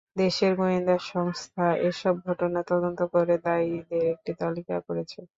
দেশের গোয়েন্দা সংস্থা এসব ঘটনার তদন্ত করে দায়ীদের একটি তালিকা করেছে।